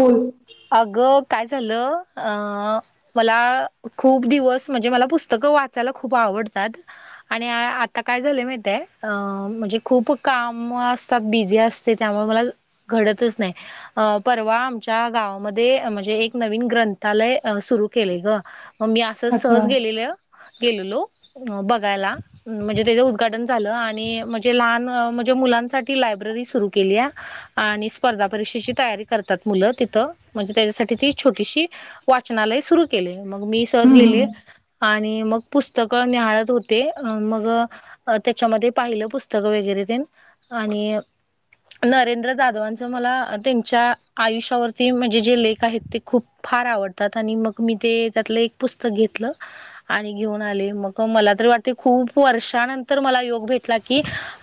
फल अगं काय झालं अ. मला खूप दिवस म्हणजे मला पुस्तकं वाचायला खूप आवडतात आणि आता काय झालं माितय म्हणजे खूप काम असतात बिझी असत. त्यामुळे मला घडतच नाही परवा आमच्या गा. मध्ये म्हणजे एक नवीन ग्रंथालय सुरू केले ग मग मी असं अच्छा सहज हं, गेलेलं. गेलो लो बघायला म्हणजे त्याचं उद्घाटन झालं आणि म्हणजे लहान म्हणजे मुलांसाठी लायब्ररी सुरु केली आहे. आणि स्पर्धा परीक्षेची तयारी करतात मुलं तिथं. म्हणजे त्याच्यासाठी ती छोटीशी वाचनालय सुरू केले मग मी सहज गेले. हं. आणि मग पुस्तकं निहाळत होते मग अ त्याच्यामध्ये पाहिलं पुस्तकं वगैरे ते आणि नरेंद्र जाधवांच मला त्यांच्या आयुष्यावरती म्हण. े जे लेख आहेत ते खूप फार आवडतात आणि मग मी ते त्यातलं एक पुस्तक घेतलं. आणि घेऊन आले मग मला तरी वाटते खूप वर्षानंतर मला योग भेटला की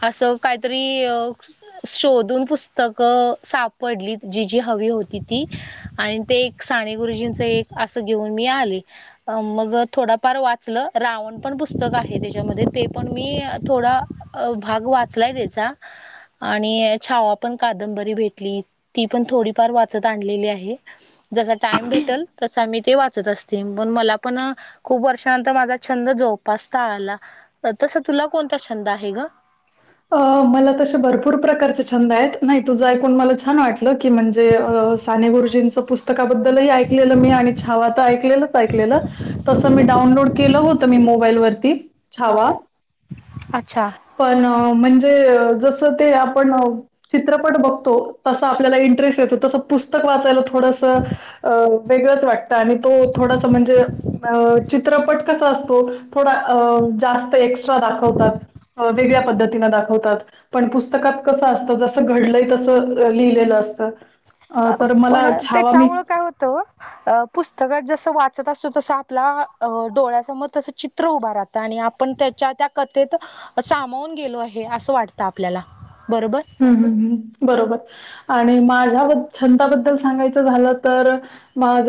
असं काहीतरी शोधून पुस्तकं सापडली जी जी हवी होती ती आणि ते एक साने गुरुजींचं एक असं घेऊन मी आले मग थोडाफार वाचलं रावण पण पुस्तक आहे त्याच्यामध्ये ते पण मी थोडा भाग वाचलाय देेचा आणि छावा पण कादंबरी भेटली ती पण थोडीफार वा आण आहे ज टाइम भेटल तसा मी ते वाचत अस पण मला पण खूप वर्षानंतर माझा छंद जोपासता आला तसं तुला कोणता छंद आहे ग अ मला तसे भरपूर प्रकारचे छंद आहेत नाही तुझं ऐकून मला छान वाटलं की म्हणजे साने गुरुजींचं पुस्तकाबद्दलही ऐकलेलं मी आणि छावा तर ऐकलेलंच ऐकलेलं तसं मी डाउनलोड केलं होतं मी मोबाईल वरती छावा अच्छा पण म्हणजे जसं ते आपण चित्रपट बघतो तसं आपल्याला इंटरेस्ट येतो तसं पुस्तक वाचायला थोडसं अ वेगळंच वाटतं आणि तो थोडासा म्हणजे अ चित्रपट कसा असतो थोडा जास्त वेगळ्या पद्धतीने दावतात पण पुस्तकात कस असत जस घडलय तस लिहिलेलं असत अ तर मला छावा मी तो अ पुस्तकात जसं वाचत असतो तस आपला डोळ्यासमोर तसं चित्र उभार राहत आणि आपण त्याच्या त्या कथेत सामावून गेलो आहे असं वाटतं आपल्याला बरोबर ह् बरोबर आणि माझ्या छंदबद्दल सांगायचं झालं तर माझ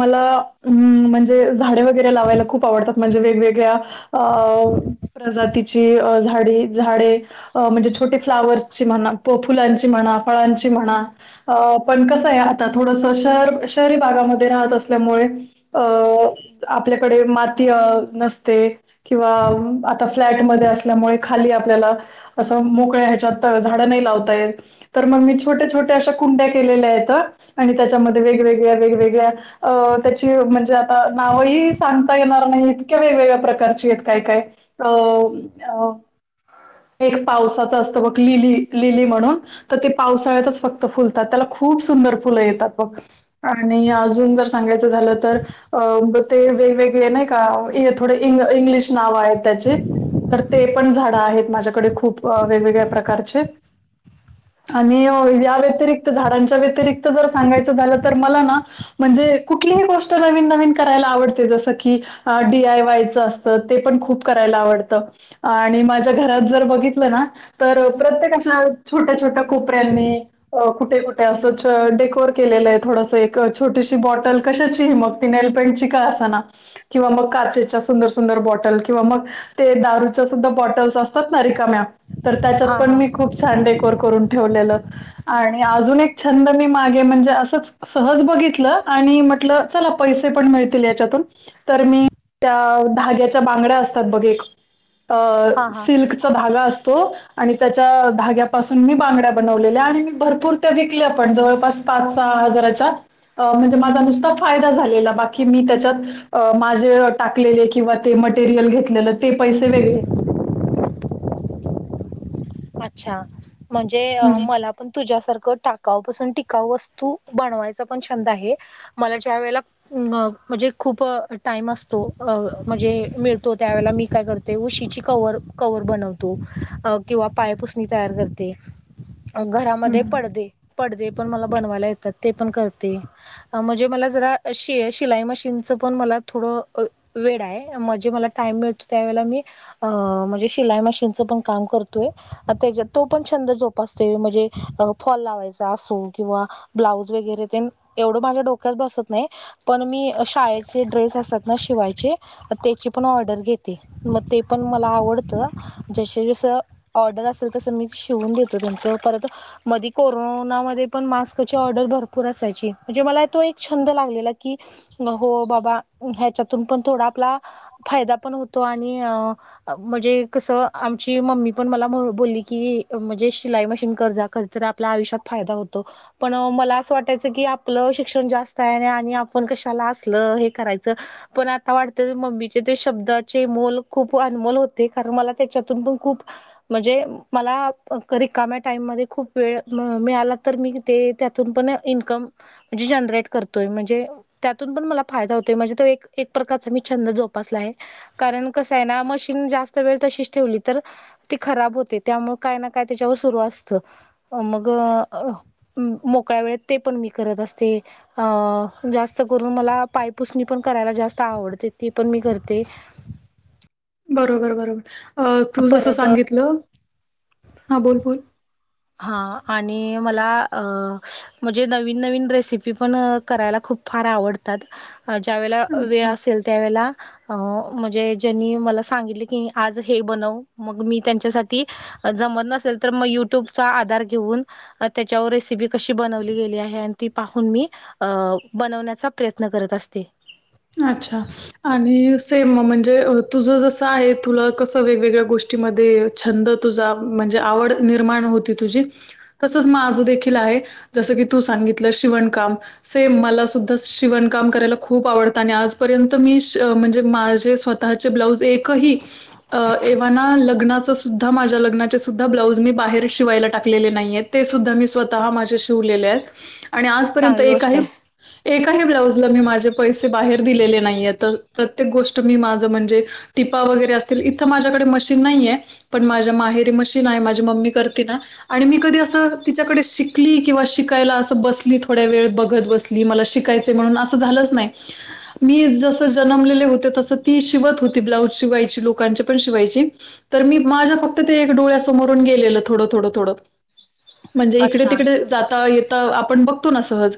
मला अ म्हणजे झाडे वगैरे लावायला खूप आवडतात म्हणजे वेगवेगळ्या अ प्रजातीची झाडी झाडे म्हणजे छोटे फ्लावर्स ची म्हणा फुलांची म्हणा फळांची म्हणा अ पण कसं आहे आता थोडस शहर शहरी भागामध्ये राहत असल्यामुळे अ आपल्याकडे माती अ नसते किंवा आता फ्लॅटमध्ये असल्यामुळे खाली आपल्याला असं मोकळे्या ह्याच्यात झाड नाही लावताय तर मग मी छोट्या छोट्या अशा कुंड्या केलेल्या आहेत आणि त्याच्यामध्ये वेगवेगळ्या वेगवेगळ्या अ त्याची म्हणजे आता नावही सांगता येणार नाही इतक्या वेगवेगळ्या प्रकारची आहेत काय काय त अ एक पावसाच असतं बघ लिली लिली म्हणून तर ते पावसाळ्यातच फक्त फुलतात त्याला खूप सुंदर फुलं येतात बग आणि अजून जर सांगायचं झालं तर अं ते वेगवेगळे नाही का थोडे इंग्लिश नाव आहेत त्याचे तर ते पण झाडं आहेत माझ्याकडे खूप वेगवेगळ्या प्रकारचे आणि या व्यतिरिक्त झाडांच्या व्यतिरिक्त जर सांगायचं झालं तर मला ना म्हणजे कुठलीही गोष्ट नवीन नवीन करायला आवडते जसं की डी आय वायच असत ते पण खूप करायला आवडत मा घरात जर बघितलं ना तर प्रत्येक अशा छोट्या छोट्या कोपऱ्यांनी कुठे कुठे असं डेकोर केलेलं आहे थोडसं एक छोटीशी बॉटल कशाची हिंमक नैलपैन्ट ची का असा ना किंवा मग काचेच्या सुंदर सुंदर बॉटल किंवा मग ते दारूच्या सुद्धा बॉटल असतात ना रिकाम्या तर त्याच्यात हा पण हा मी खूप छान डेकोर करून ठेवलेलं आणि अजून एक छंद मी मागे म्हणजे असंच सहज बघितलं आणि म्हटलं चला पैसे पण मिळतील याच्यातून तर मी त्या धाग्याच्या बांगड्या असतात बघ एक हा हा सिल्क धागा असतो आणि त्याच्या धाग्या पाासून मी बांगड्या बनवलेल्या आणि भरपूर विकले आपण जवळपास पाच सहा हजाराच्या. अ म्हणजे माझा नुसता फायदा झालेला बाकी मी त्याच्यात माझे. टाकले किंवा ते मटेरियल घेतलेलं ते पैसे वेगळे. अच्छा म्हणजे हम्म मला. पण तुझ्यासारखं टाकावपासून टिकाऊ वस्तू बनवायचा पण छंद आहे. मला ज्या वेळेला. अ म्हणजे खूप टाइम असतो म्हणजे मिळतो त्यावेेळेला मी काय करतो. ते उशीची क क बनवतो किंवा. पायपुसणी तयार करते घरामध्ये हम्म. पडद पडद. पण मला बनवायला येतात ते पण करते. म्हणजे मला जरा शिलाई मशीनचं पण मला थोडं. वेळ आहे म्हणजे मला टाइम मिळतो त्या वेळेला मी. अ म्हणजे शिलाई मशीनचं पण काम करतोय. त्यात तो पण छंद झोपासतो म्हणजे फॉल लावायचा असो किंवा. ब्लाऊज वगैरे ते एवढं माझ्या डोक्यात बसत नाही. पण मी शाळेचे ड्रेस असतात ना शिवायचे. त्याची पण ऑर्डर घेते मग ते पण मला आवडतं जसे जसं. ऑर्डर असेल तसं मी शिवून देतो त्यांुमचं परत. मध कोरोनामध्ये पण मास्कची ऑर्डर भरपूर असायची म्हणजे मला तो एक छंद लागलेला की हो बाबा ह्याच्यातून पण थोडा आपला. फायदा पण होतो आणि म्हणजे कसं आमची मम्मी. पण मला बोलली की म्हणजे शिलाई मशीन कज कधीतरी आपल्या आयुष्यात फायदा होतो. पण मला असं वाटायचं की आपलं शिक्षण जास्त आहे आणि आपण कशाला असल हे करायचं. पण आता वाटत मम्मीचे ते शब्दाचे मोल खूप अनमोल होते कारण मला त्याच्यातून पण खूप. म्हणजे मला रिकाम्या टाइम मध्ये खूप वेळ मिळाला तर मी ते त्या तून पण इन्कम म्हणजे जनरेट करतोय म्हणजे. त्यातून पण मला फायदा होतोय म्हणजे तो एक प्रकारचा मी छंद जोपासला आहे. कारण कस आहे ना मशीन जास्त वेळ तशीच ठेवली तर. तेी खराब होते त्यामुळे काय ना काय त्याच्यावर सुरू असतं मग. मोकळ्या वेळेत ते पण मी करत असते अ जास्त करून मला पायपुसणी पण करायला जास्त आवडते ती पण मी करते [unintelligible] बरोबर-बरोबर तू जसं परत सांगितलं हा बोल-बोल हा आणि मला म्हणजे नवीन-नवीन रेसिपी पण करायला खूप फार आवडतात ज्यावेेळेला वेळ अच्छा. असेल त्यावेेळेला अ म्हणजे ज्यांनी मला सांगितले की आज हे बनव मग मी त्यांच्यासाठी जमत नसेल तर मग युट्यूब चा आधार घेऊन त्याच्यावर रेसिपी कशी बनवली गेली आहे आणि ती पाहून मी बनवण्याचा प्रयत्न करत असते. अच्छा आणि सेम म्हणजे तुझं जसं आहे तुला कसं वेगवेगळ्या गोष्टी [unintelligible] मध्ये छंद तुझा म्हणजे आवड निर्माण होती तुझी तसंच माझं देखील आहे जसं की तू सांगितलं शिवणकाम सेम मला सुद्धा शिवणकाम करायला खूप आवडत आणि आजपर्यंत मी म्हणजे माझे स्वतःचे ब्लाऊज एकही एव्हाना लग्नाचंसुद्धा माझ्या लग्नाचे सुुद्धा ब्लाऊज मी बाहेर शिवायला टाकलेले नाहीत ते सुद्धा मी स्वतः माझ्या शिवलेले आहेत. [unintelligible] आणि आजपर्यंत चांगली गोष्ट एकही आहे एकाही ब्लाउजला मी माझे पैसे ते बाहेर दिलेले नाहीयत तर प्रत्येक गोष्ट मी माझं म्हणजे टिपा वगैरे असतील इथं माझ्याकडे मशीन नाहीये पण माझ्या माहेरी मशीन आहे माझी मम्मी करते ना. आणि मी कधी असं तिच्याकडे शिकली किंवा शिकायला असं बसली थोड्या वेळ बघत बसली मला शिकायच म्हणून असं झालंच नाही [unintelligible] मी जसं जन्मलेले होते तसं ती शिवत होती ब्लाऊज शिवायची लोकांची पण शिवायची तर मी माझ्या फक्त ते एक डोळ्यासमोरून गेलेलं थोडं-थोडं-थोडं म्हणजे इकडे अच्छा तिकडे जाता येता आपण बघतो ना सहज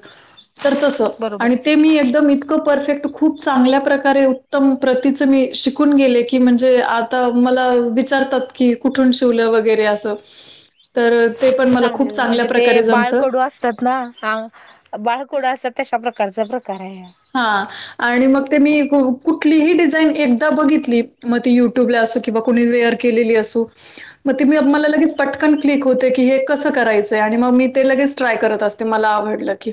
तर त बरोबर आणि ते मी एकदम इ इतक परफेक्ट खूप चांगल्या प्रकारे उत्तम प्रतीच मी शिकून गेले की म्हणजे आ आता मला विचारतात की कुठून शिवलं वगैरे असं [unintelligible] तर ते प चांगले म्हणजे ते बाळकडू अस असतात ना बाळकुड असत तशा प्रकारचा प्रकार आहे हा हा आणि मग ते मी कुठलीही डिझाईन एकदा बघितली मग त युट्यूबला असो किंवा कोणी वेअर केलेली असू मग ते मी मला लगेच पटकन क्लिक होते की हे कसं करायचंय आणि मग मी ते लगेच ट्राय करत असते मला आवडलं की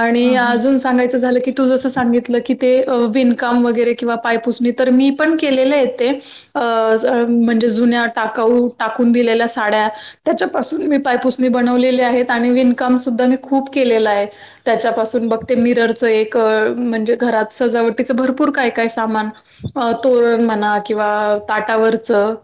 आणि हा हा अजून सांगायचं झालं की तू जसं सांगितलं की ते विणकाम वगैरे किंवा पायपुसणी तर मी पण केलेलं ते अ म्हणजे जुन्या टाका टाकून दिलेल्या साड्या त्याच्यापासून मी पायपुसणी बनवलेली आहेत आणि विनकाम सुद्धा मी खूप केलेला आहे त्याच्यापासून बघ ते मिररचं एक म्हणजे घरात सजावटीच भरपूर काय-काय सामान तोरण म्हणा किंवा ताटावरचं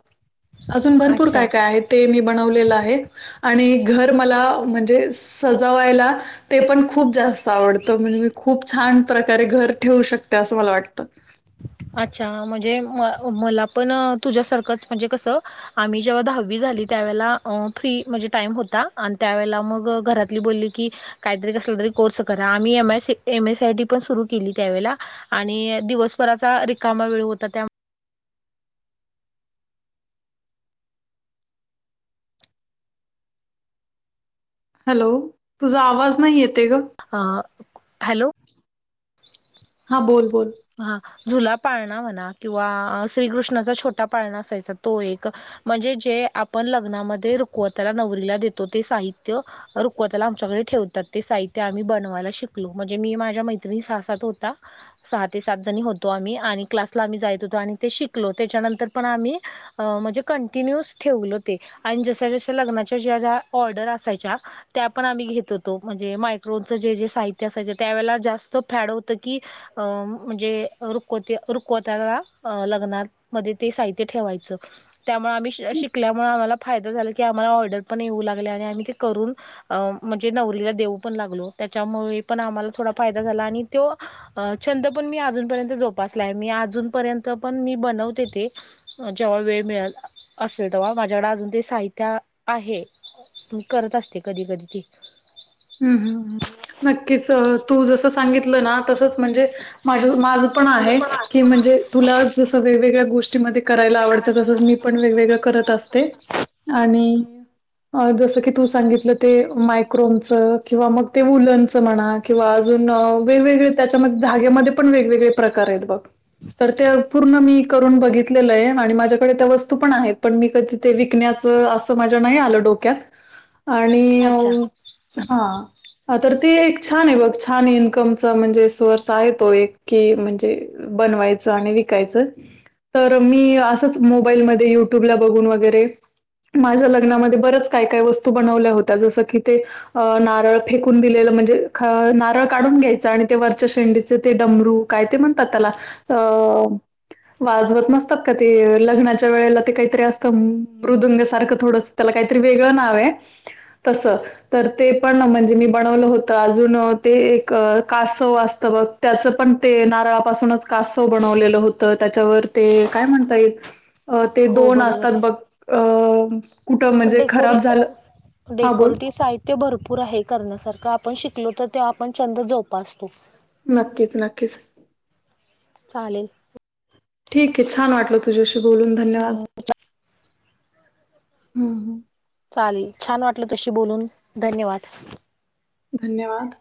अजून भरपूर अच्छा, काय-काय आहेत ते मी बनवलेलं आहे आणि घर मला म्हणजे सजावायला ते पण खूप जास्त आवडतं म्हणजे मी खूप छान प्रकारे घर ठेवू शकते असं मला वाटतं. अच्छा म्हणजे म मला पण तुझ्यासारखंच म्हणजे कसं आम्ही जेव्हा दहावी झाली त्यावेळेला फ्री म्हणजे टाइम होता आणि त्यावेेळेला मग घरातली बोलली की काहीतरी कसला तरी कोर्स करा आम्ही एम एसीय टी पण सुरु केली. त्यावेळेला आणि दिवसभराचा रिकामा वेळ होता. त्या हॅलो तुझा आवाज नाही. येत अ हॅलो.. हा बोल बोल.. हा जुला पाळणा म्हणा किंवा श्रीकृष्णाचा छोटा पाळणा असायचा तो एक म्हणजे जे आपण लग्नामध्ये रुकवतला नवरीला देतो. ते साहित्य रुखवतला आमच्याकडे ठेवतात ते साहित्य आम्ही बनवायला शिकलो. म्हणजे मी माझ्या सासात होता. सहा ते सात जणी होतो. आम्ही आणि क्लासला आम्ही जायत होतो. आणि ते शिकलो त्याच्यानंतर पण आम्ही म्हणजे कंटिन्यूस ठेवलं ते आणि जश जश लग्नाच्या ज्या ज्या ऑर्डर असायच्या त्या पण आम्ही घेत होतो म्हणजे मायक्रोनचं जे जे साहित्य असायचे. त्यावेळेला जास्त तो फॅड होतं की म्हणजे रुकवते रुखवत्याला लग्नात मध्ये ते साहित्य ठेवायचं त्यामुळे आम्ही श शिकल्यामुळे आम्हाला फायदा झाला. की आम्हाला ऑर्डर पण येऊ लागले. आणि आम्ही ते करून अं म्हणजे नवरलीला देऊ पण लागलो. त्याच्यामुळे पण आम्हाला थोडा फायदा झाला. आणि तो छंद पण मी अजूनपर्यंत जोपासला आहे. मी अजूनपर्यंत पण मी बनवते. तेे जेव्हा वेळ मिळेल असेल तेव्हा माझ्याकडे अजून ते साहित्य आहे. म करत असते. कधी कधी ती हम्म हम् नक्कीच तू जसं सांगितलं ना तसच म्हणजे माझ माझं पण आहे. की म्हणजे तुला जसं वेगवेगळ्या गोष्टीमध्ये करायला आवडतं तसंच मी पण वेगवेगळं करत असते. आणि जसं की तू सांगितलं ते मायक्रोम - च किंवा मग ते उलनच म्हणा किंवा अजून वेगवेगळे त्याच्यामध्ये धाग्यांमध्ये पण वेगवेगळे प्रकार आहेत बघ तर ते पूर्ण मी करून बघितलेलं आहे. आणि माझ्याकडे त्या वस्तू पण आहेत. पण मी कधी ते विकण्याचं असं माझ्या नाही आलं डोक्यात [inaudible] आणि अच्छा हां.. तर ती एक छान आहे बघ छान इन्कमचा म्हणजे सोर्स आहे तो एक की म्हणजे बनवायचं आणि विकायचं. तर मी असंच मोबाईलमध्ये युट्यूबला बघून वगैरे माझ्या लग्नामध्ये बरंच काय काय वस्तू बनवल्या होत्या जसं की ते अ नारळ फेकून दिलेलं म्हणजे नारळ काढून घ्यायचं आणि ते वरच्या शेंडीचे ते डमरू काय ते म्हणतात त्याला अ वाजवत नसतात. का ते लग्नाच्या वेळेला ते काहीतरी असतं मृदुंग सारखं थोडंस त्याला काहीतरी वेगळं नाव आहे तसं तर ते पण म्हणजे मी बनवलं होतं. अजून ते एक कासव असतं बग त्याचं पण ते नारळापासूनच कासव बनवलेलं होतं त्याच्यावर ते काय म्हणता येईल. अ ते हो दोन बरोबर असतात आहे. बघ अ कुठं म्हणजे डेकोरे खराब झालं हा बोल डेकोरटि साहित्य.. ते भरपूर आहे करण्यासारखं आपण शिकलो. तर ते आपण छंद जोपासतो. नक्कीच नक्कीच चालेल. ठीक आहे छान वाटल तुझ्याशी बोलून धन्यवाद हम ह चालेल छान वाटलं तुज्याशी बोलून धन्यवाद धन्यवाद